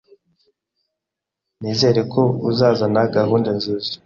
Nizere ko uzazana gahunda nziza